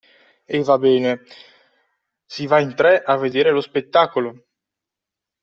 E va bene si va in tre a vedere lo spettacolo!